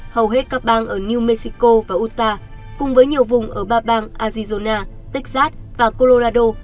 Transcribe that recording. hầu hết các bang ở new mexico và uta cùng với nhiều vùng ở ba bang azizona texas và colorado